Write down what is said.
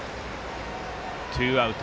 ツーアウト。